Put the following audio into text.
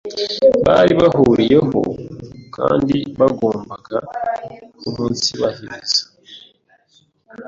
bari bahuriyeho kandi bagombaga umunsibahiriza